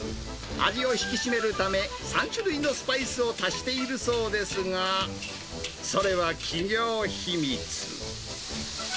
味を引き締めるため、３種類のスパイスを足しているそうですが、それは企業秘密。